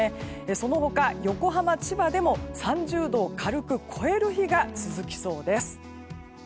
その他、横浜、千葉でも３５度を軽く超える日が続きそうです。